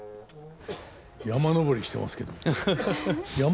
山登りしてますけど。